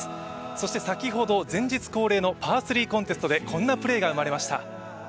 そして先ほど前日恒例のパー３コンテストで、こんなプレーが生まれました。